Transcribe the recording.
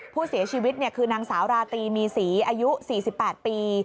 ผู้เสียชีวิตคือนางสาวราตรีมีศรีอายุ๔๘ปี